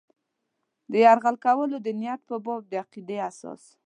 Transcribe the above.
د یرغل کولو د نیت په باب د عقیدې اساس.